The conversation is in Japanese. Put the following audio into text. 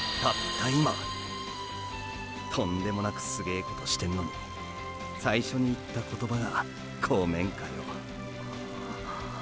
とんでもなくすげえことしてんのに最初に言った言葉が「ごめん」かよ。